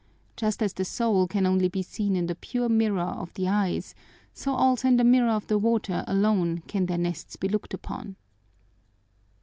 Just as the soul can only be seen in the pure mirror of the eyes, so also in the mirror of the water alone can their nests be looked upon."